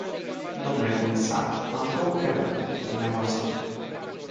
Dle comisar, am două întrebări pentru dumneavoastră.